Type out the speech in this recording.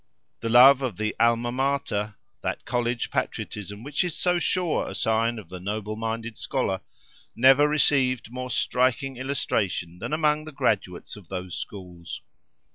The love of the alma mater—that college patriotism which is so sure a sign of the noble minded scholar—never received more striking illustration than among the graduates of those schools.